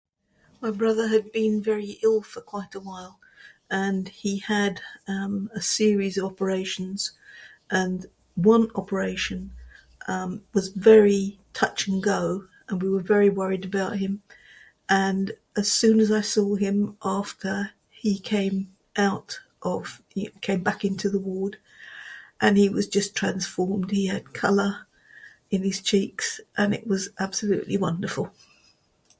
My brother had been very ill for quite a while and he had, um, a series of operations. And one operation, um, was very touch-and-go, and we were very worried about him. And as soon as I saw him after, he came out of came back into the ward, and he was just transformed. He had color in his cheeks and it was absolutely wonderful.